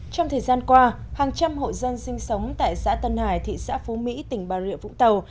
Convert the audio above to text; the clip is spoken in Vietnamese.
trong thời gian qua hàng trăm hộ dân sinh sống tại xã tân hải thị xã phú mỹ tỉnh bà rịa vũng tàu